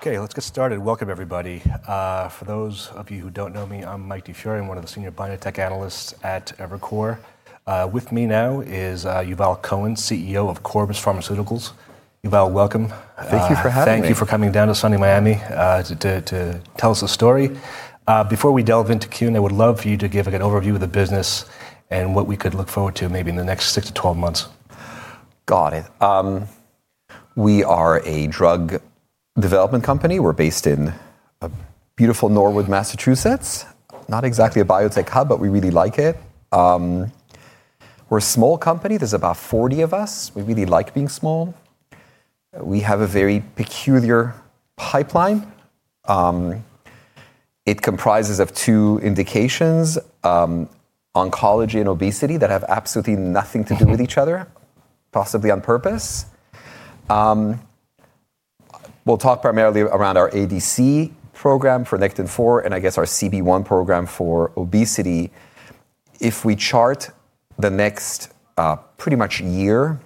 Okay, let's get started. Welcome, everybody. For those of you who don't know me, I'm Mike DiFiore, one of the Senior Biotech Analysts at Evercore. With me now is Yuval Cohen, CEO of Corbus Pharmaceuticals. Yuval, welcome. Thank you for having me. Thank you for coming down to sunny Miami to tell us a story. Before we delve into Q&A, I would love for you to give an overview of the business and what we could look forward to maybe in the next six to 12 months. Got it. We are a drug development company. We're based in beautiful Norwood, Massachusetts. Not exactly a biotech hub, but we really like it. We're a small company. There's about 40 of us. We really like being small. We have a very peculiar pipeline. It comprises of two indications: oncology and obesity that have absolutely nothing to do with each other, possibly on purpose. We'll talk primarily around our ADC program for Nectin-4 and, I guess, our CB1 program for obesity. If we chart the next pretty much year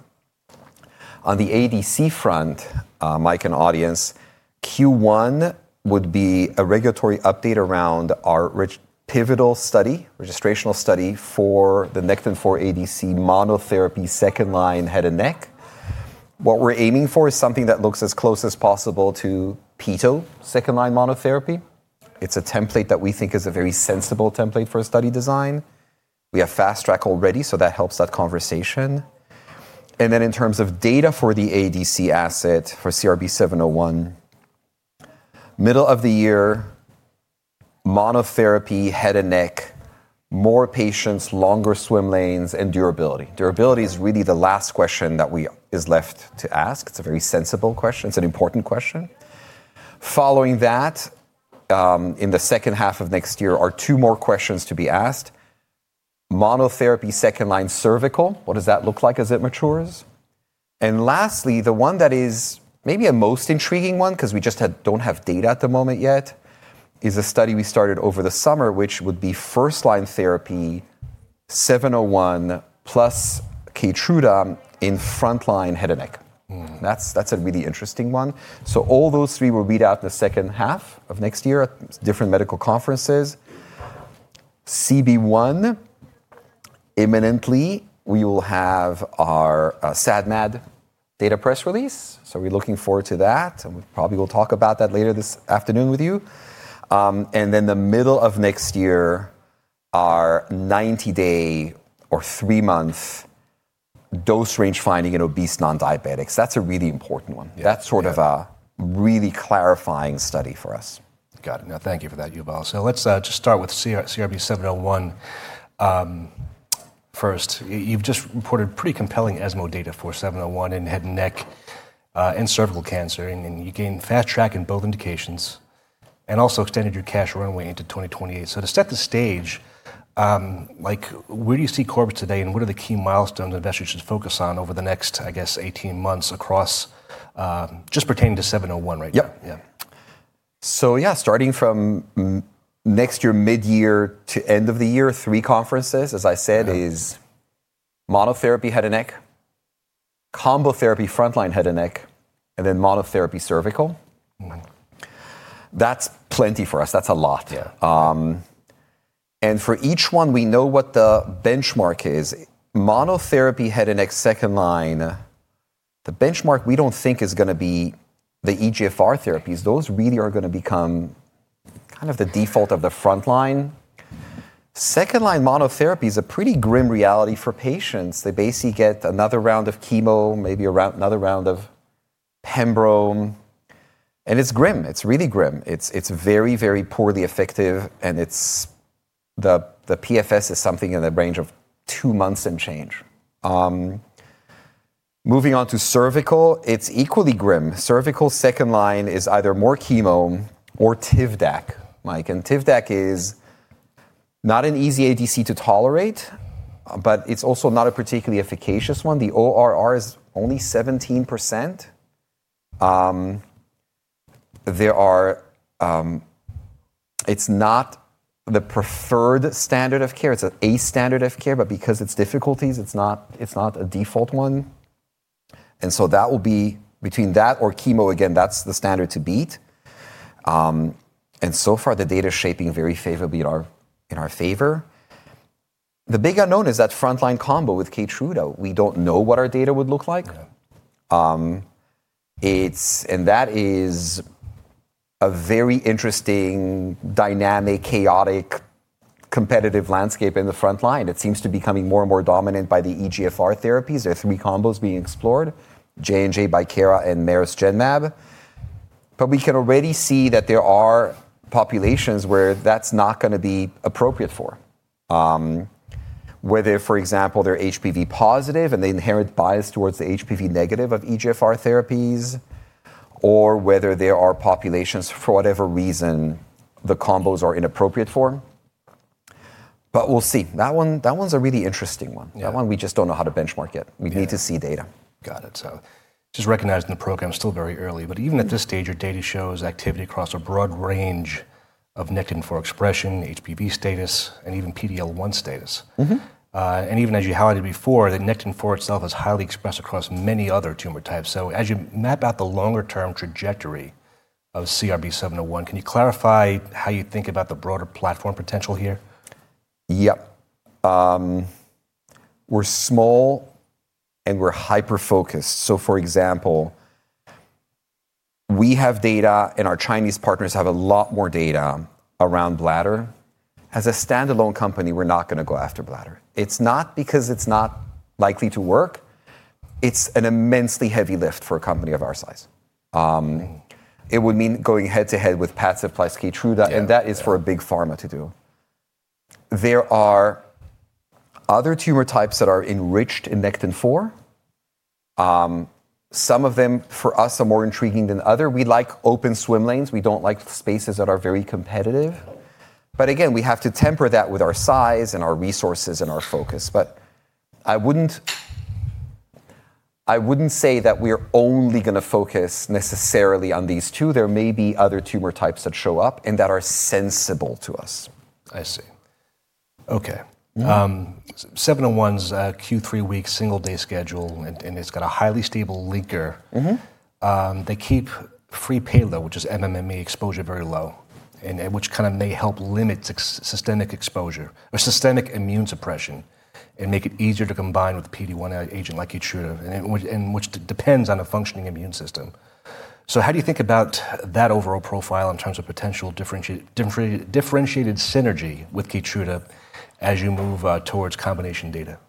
on the ADC front, Mike and audience, Q1 would be a regulatory update around our pivotal study, registrational study for the Nectin-4 ADC monotherapy second line head and neck. What we're aiming for is something that looks as close as possible to Petosemtamab, second line monotherapy. It's a template that we think is a very sensible template for a study design. We have Fast Track already, so that helps that conversation. And then in terms of data for the ADC asset for CRB-701, middle of the year, monotherapy head and neck, more patients, longer swim lanes, and durability. Durability is really the last question that is left to ask. It's a very sensible question. It's an important question. Following that, in the second half of next year, are two more questions to be asked. Monotherapy second line cervical, what does that look like as it matures? And lastly, the one that is maybe a most intriguing one, because we just don't have data at the moment yet, is a study we started over the summer, which would be first line therapy 701 plus Keytruda in front line head and neck. That's a really interesting one. All those three will be out in the second half of next year at different medical conferences. CB1, imminently, we will have our SAD/MAD data press release. We're looking forward to that. We probably will talk about that later this afternoon with you. Then the middle of next year, our 90-day or three-month dose range finding in obese non-diabetics. That's a really important one. That's sort of a really clarifying study for us. Got it. Now, thank you for that, Yuval. So let's just start with CRB-701 first. You've just reported pretty compelling ESMO data for 701 and head and neck and cervical cancer. And you gained fast track in both indications and also extended your cash runway into 2028. So to set the stage, where do you see Corbus today and what are the key milestones investors should focus on over the next, I guess, 18 months across just pertaining to 701 right now? Yeah. So yeah, starting from next year, mid-year to end of the year, three conferences, as I said, is monotherapy head and neck, combo therapy front line head and neck, and then monotherapy cervical. That's plenty for us. That's a lot. And for each one, we know what the benchmark is. Monotherapy head and neck second line, the benchmark we don't think is going to be the EGFR therapies. Those really are going to become kind of the default of the front line. Second line monotherapy is a pretty grim reality for patients. They basically get another round of chemo, maybe another round of pembro. And it's grim. It's really grim. It's very, very poorly effective. And the PFS is something in the range of two months and change. Moving on to cervical, it's equally grim. Cervical second line is either more chemo or Tivdak, Mike. Tivdak is not an easy ADC to tolerate, but it's also not a particularly efficacious one. The ORR is only 17%. It's not the preferred standard of care. It's an A standard of care. But because of its difficulties, it's not a default one. And so that will be between that or chemo. Again, that's the standard to beat. And so far, the data is shaping very favorably in our favor. The big unknown is that front line combo with Keytruda. We don't know what our data would look like. And that is a very interesting, dynamic, chaotic, competitive landscape in the front line. It seems to be becoming more and more dominant by the EGFR therapies. There are three combos being explored: J&J, Bicara, and Merus Genmab. But we can already see that there are populations where that's not going to be appropriate for. Whether, for example, they're HPV-positive and they inherent bias towards the HPV-negative of EGFR therapies, or whether there are populations, for whatever reason, the combos are inappropriate for. But we'll see. That one's a really interesting one. That one we just don't know how to benchmark yet. We need to see data. Got it. So just recognize in the program, it's still very early. But even at this stage, your data shows activity across a broad range of Nectin-4 expression, HPV status, and even PD-L1 status. And even as you highlighted before, the Nectin-4 itself is highly expressed across many other tumor types. So as you map out the longer-term trajectory of CRB-701, can you clarify how you think about the broader platform potential here? Yep. We're small and we're hyper-focused. So for example, we have data, and our Chinese partners have a lot more data around bladder. As a standalone company, we're not going to go after bladder. It's not because it's not likely to work. It's an immensely heavy lift for a company of our size. It would mean going head to head with Padcev plus Keytruda. And that is for a big pharma to do. There are other tumor types that are enriched in Nectin-4. Some of them, for us, are more intriguing than others. We like open swim lanes. We don't like spaces that are very competitive. But again, we have to temper that with our size and our resources and our focus. But I wouldn't say that we're only going to focus necessarily on these two. There may be other tumor types that show up and that are sensitive to us. I see. Okay. CRB-701's every 3-week single-day schedule, and it's got a highly stable linker. They keep free payload, which is MMAE, exposure very low, which kind of may help limit systemic exposure or systemic immune suppression and make it easier to combine with a PD-1 agent like Keytruda, which depends on a functioning immune system. So how do you think about that overall profile in terms of potential differentiated synergy with Keytruda as you move towards combination data?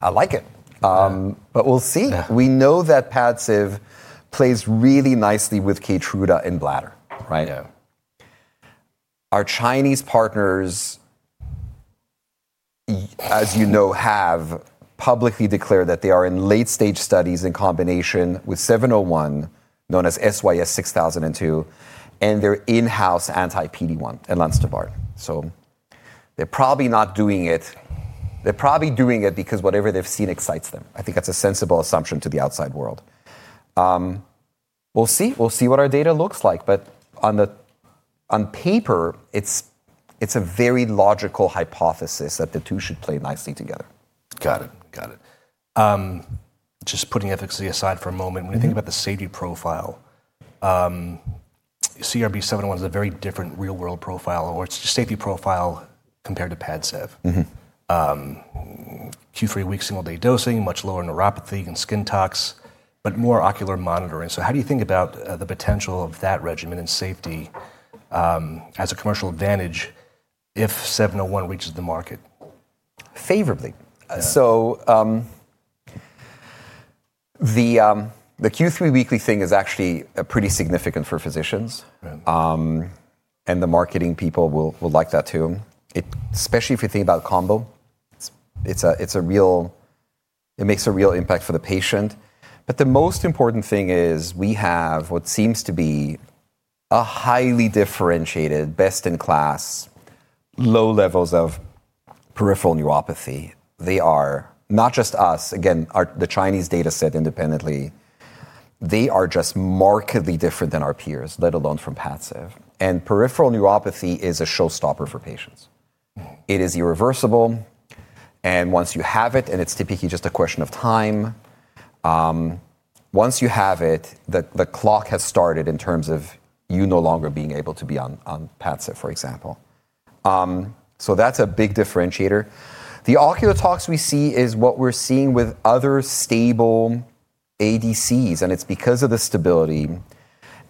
I like it. But we'll see. We know that Padcev plays really nicely with Keytruda in bladder, right? Yeah. Our Chinese partners, as you know, have publicly declared that they are in late-stage studies in combination with 701, known as SYS6002, and their in-house anti-PD-1 and Enlonstobart. So they're probably not doing it. They're probably doing it because whatever they've seen excites them. I think that's a sensible assumption to the outside world. We'll see. We'll see what our data looks like. But on paper, it's a very logical hypothesis that the two should play nicely together. Got it. Got it. Just putting ethics aside for a moment, when you think about the safety profile, CRB-701 is a very different real-world profile, or it's just safety profile compared to Padcev. Q3 week single-day dosing, much lower neuropathy and skin tox, but more ocular monitoring. So how do you think about the potential of that regimen and safety as a commercial advantage if 701 reaches the market? Favorably. So the Q3 weekly thing is actually pretty significant for physicians. And the marketing people will like that too, especially if you think about combo. It's a real; it makes a real impact for the patient. But the most important thing is we have what seems to be a highly differentiated, best-in-class, low levels of peripheral neuropathy. They are not just us. Again, the Chinese data set independently. They are just markedly different than our peers, let alone from Padcev. And peripheral neuropathy is a showstopper for patients. It is irreversible. And once you have it, and it's typically just a question of time, once you have it, the clock has started in terms of you no longer being able to be on Padcev, for example. So that's a big differentiator. The ocular tox we see is what we're seeing with other stable ADCs. It's because of the stability.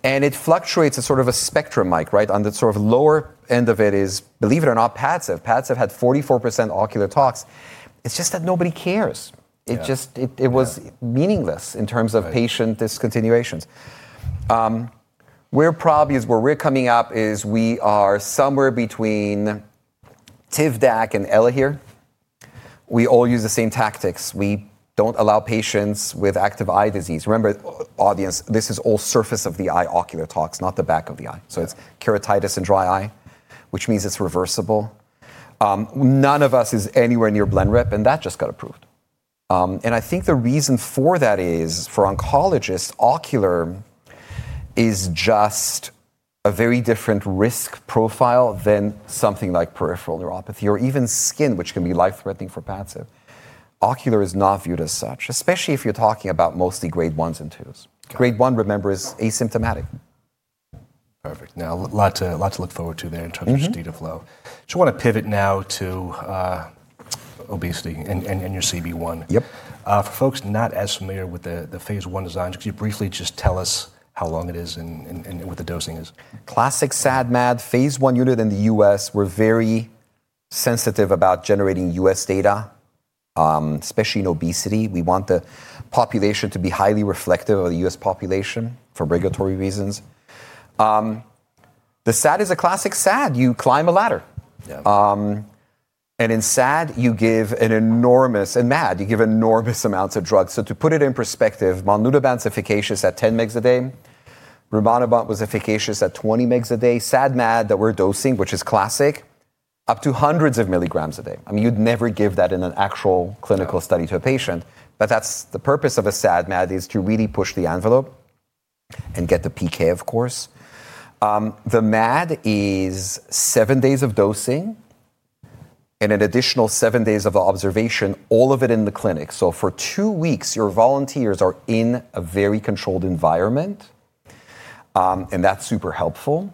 It fluctuates as sort of a spectrum, Mike, right? On the sort of lower end of it is, believe it or not, Padcev. Padcev had 44% ocular tox. It's just that nobody cares. It just was meaningless in terms of patient discontinuations. Where we're coming up is we are somewhere between Tivdak and Elahere. We all use the same tactics. We don't allow patients with active eye disease. Remember, audience, this is all surface of the eye ocular tox, not the back of the eye. So it's keratitis and dry eye, which means it's reversible. None of us is anywhere near Blenrep. That just got approved. I think the reason for that is, for oncologists, ocular is just a very different risk profile than something like peripheral neuropathy or even skin, which can be life-threatening for Padcev. Ocular is not viewed as such, especially if you're talking about mostly grade ones and twos. Grade one, remember, is asymptomatic. Perfect. Now, a lot to look forward to there in terms of data flow. So I want to pivot now to obesity and your CB1. For folks not as familiar with the phase 1 designs, could you briefly just tell us how long it is and what the dosing is? Classic SAD/MAD phase 1 study in the U.S. We're very sensitive about generating U.S. data, especially in obesity. We want the population to be highly reflective of the U.S. population for regulatory reasons. The SAD is a classic SAD. You climb a ladder. And in SAD, you give an enormous, and MAD, you give enormous amounts of drugs. To put it in perspective, Monlunabant is efficacious at 10 mg a day. Rimonabant was efficacious at 20 mg a day. SAD/MAD that we're dosing, which is classic, up to hundreds of milligrams a day. I mean, you'd never give that in an actual clinical study to a patient. That's the purpose of a SAD/MAD, is to really push the envelope and get the PK, of course. The MAD is seven days of dosing and an additional seven days of observation, all of it in the clinic. So for two weeks, your volunteers are in a very controlled environment. And that's super helpful.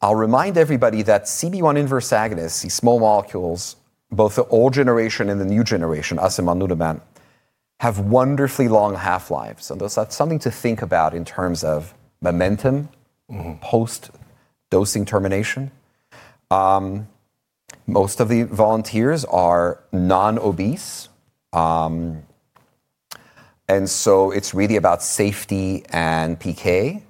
I'll remind everybody that CB1 inverse agonists, these small molecules, both the old generation and the new generation, us and Monlunabant, have wonderfully long half-lives. And so that's something to think about in terms of momentum post-dosing termination. Most of the volunteers are non-obese. And so it's really about safety and PK.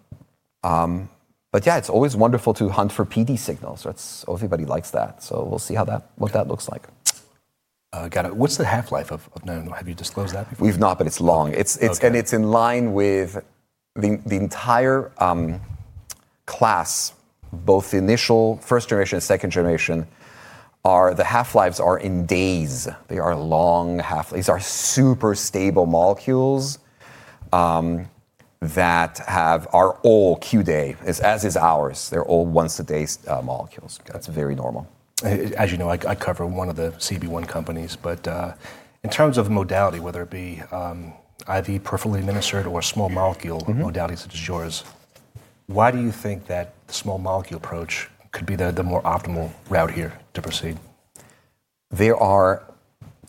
But yeah, it's always wonderful to hunt for PD signals. Everybody likes that. So we'll see what that looks like. Got it. What's the half-life of Nano? Have you disclosed that before? We've not, but it's long, and it's in line with the entire class, both initial, first generation, and second generation. The half-lives are in days. They are long half-lives. These are super stable molecules that are all Q-day, as is ours. They're all once-a-day molecules. That's very normal. As you know, I cover one of the CB1 companies. But in terms of modality, whether it be IV peripherally administered or small molecule modalities such as yours, why do you think that the small molecule approach could be the more optimal route here to proceed? There are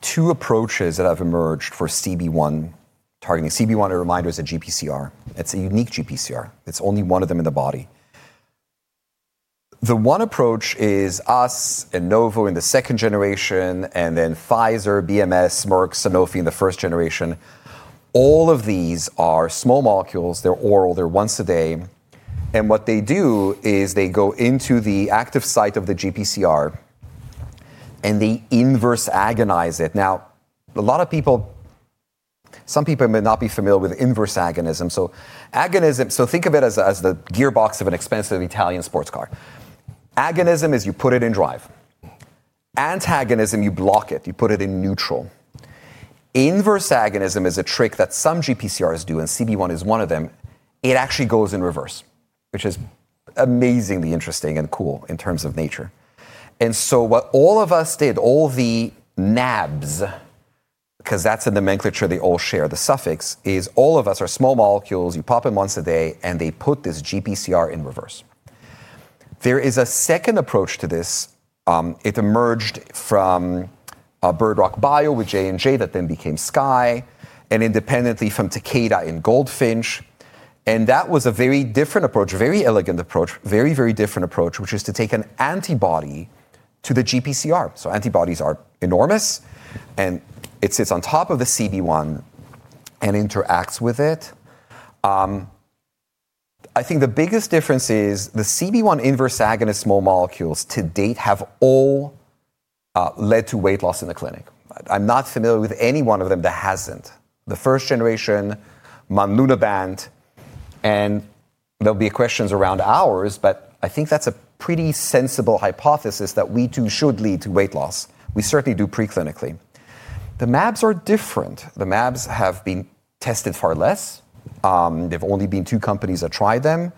two approaches that have emerged for CB1 targeting. CB1, a reminder, is a GPCR. It's a unique GPCR. It's only one of them in the body. The one approach is us and Novo in the second generation, and then Pfizer, BMS, Merck, Sanofi in the first generation. All of these are small molecules. They're oral. They're once a day. And what they do is they go into the active site of the GPCR, and they inverse agonize it. Now, a lot of people, some people may not be familiar with inverse agonism. So think of it as the gearbox of an expensive Italian sports car. Agonism is you put it in drive. Antagonism, you block it. You put it in neutral. Inverse agonism is a trick that some GPCRs do, and CB1 is one of them. It actually goes in reverse, which is amazingly interesting and cool in terms of nature. What all of us did, all the NABs, because that's a nomenclature they all share, the suffix, is all of us are small molecules. You pop them once a day, and they put this GPCR in reverse. There is a second approach to this. It emerged from Bird Rock Bio with J&J that then became Sky, and independently from Takeda and Goldfinch. That was a very different approach, a very elegant approach, a very, very different approach, which is to take an antibody to the GPCR. Antibodies are enormous. It sits on top of the CB1 and interacts with it. I think the biggest difference is the CB1 inverse agonist small molecules to date have all led to weight loss in the clinic. I'm not familiar with any one of them that hasn't. The first generation, Monlunabant, and there'll be questions around ours, but I think that's a pretty sensible hypothesis that we too should lead to weight loss. We certainly do preclinically. The mAbs are different. The mAbs have been tested far less. There've only been two companies that tried them.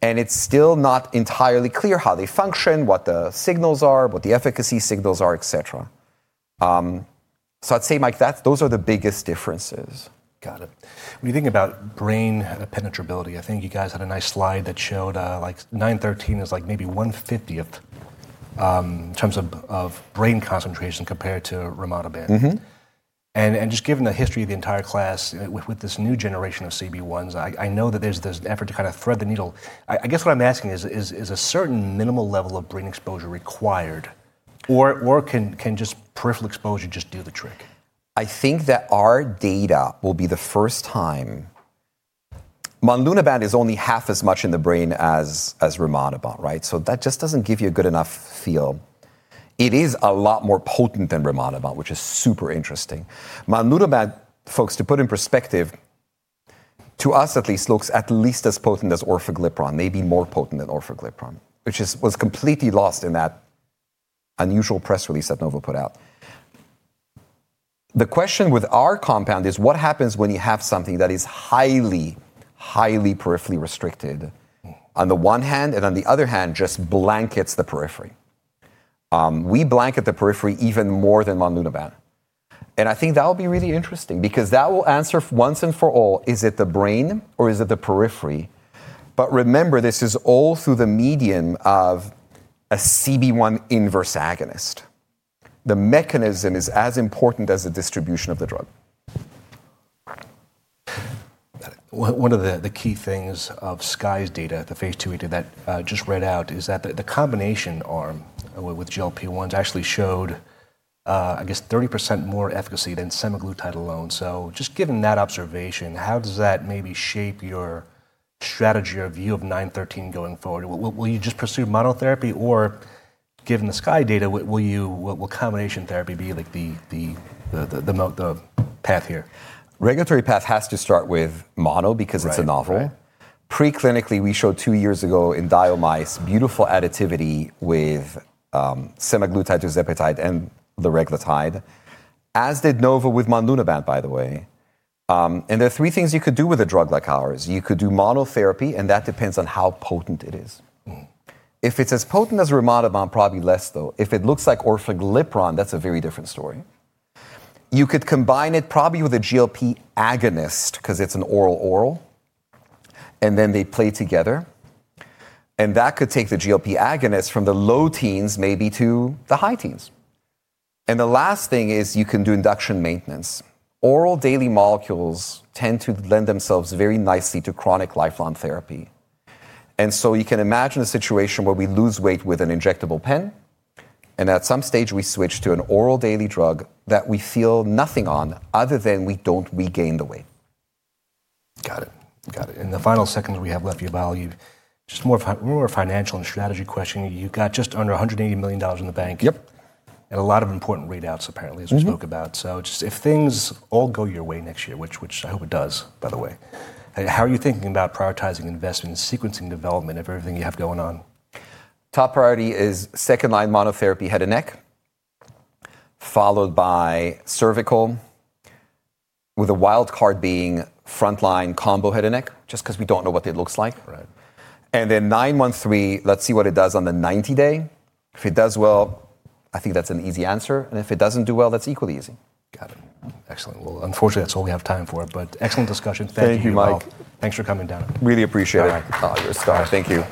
And it's still not entirely clear how they function, what the signals are, what the efficacy signals are, et cetera. So I'd say, Mike, those are the biggest differences. Got it. When you think about brain penetrability, I think you guys had a nice slide that showed like 913 is like maybe 1/50th in terms of brain concentration compared to rimonabant. And just given the history of the entire class with this new generation of CB1s, I know that there's this effort to kind of thread the needle. I guess what I'm asking is, is a certain minimal level of brain exposure required, or can just peripheral exposure just do the trick? I think that our data will be the first time monlunabant is only half as much in the brain as rimonabant, right? So that just doesn't give you a good enough feel. It is a lot more potent than rimonabant, which is super interesting. Monlunabant, folks, to put in perspective, to us at least, looks at least as potent as orforglipron, maybe more potent than orforglipron, which was completely lost in that unusual press release that Novo Nordisk put out. The question with our compound is, what happens when you have something that is highly, highly peripherally restricted on the one hand, and on the other hand, just blankets the periphery? We blanket the periphery even more than monlunabant. And I think that'll be really interesting because that will answer once and for all, is it the brain, or is it the periphery? But remember, this is all through the medium of a CB1 inverse agonist. The mechanism is as important as the distribution of the drug. One of the key things of Sky's data, the phase 2 we did that just read out, is that the combination arm with GLP-1s actually showed, I guess, 30% more efficacy than semaglutide alone. So just given that observation, how does that maybe shape your strategy, your view of 913 going forward? Will you just pursue monotherapy? Or given the Sky data, what will combination therapy be like the path here? Regulatory path has to start with mono because it's a novel. Preclinically, we showed two years ago in DIO mice beautiful additivity with semaglutide to tirzepatide and liraglutide, as did Novo with monlunabant, by the way. There are three things you could do with a drug like ours. You could do monotherapy, and that depends on how potent it is. If it's as potent as rimonabant, probably less, though. If it looks like orforglipron, that's a very different story. You could combine it probably with a GLP agonist because it's an oral-oral, and then they play together. That could take the GLP agonist from the low teens maybe to the high teens. The last thing is you can do induction maintenance. Oral daily molecules tend to lend themselves very nicely to chronic lifelong therapy. And so you can imagine a situation where we lose weight with an injectable pen. And at some stage, we switch to an oral daily drug that we feel nothing on other than we don't regain the weight. Got it. Got it. In the final seconds we have left, you, Valerie, just more of a financial and strategy question. You've got just under $180 million in the bank. Yep. And a lot of important readouts, apparently, as we spoke about. So just if things all go your way next year, which I hope it does, by the way, how are you thinking about prioritizing investment in sequencing development of everything you have going on? Top priority is second-line monotherapy head and neck, followed by cervical, with a wild card being front-line combo head and neck, just because we don't know what it looks like. Then nine months three, let's see what it does on the 90-day. If it does well, I think that's an easy answer, and if it doesn't do well, that's equally easy. Got it. Excellent. Well, unfortunately, that's all we have time for. But, excellent discussion. Thank you, Mike. Thanks for coming down. Really appreciate it. All right. All right. Star. Thank you.